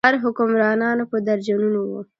ښار حکمرانان په درجنونو وو.